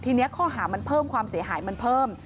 ทีนี้ข้อหามันเพิ่มความเสียหายมันเพิ่ม